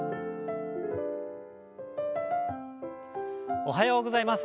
おはようございます。